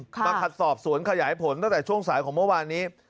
มาขัดสอบสวนขยายผลตั้งแต่ช่วงสายของเมื่อวานนี้